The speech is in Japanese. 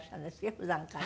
普段から。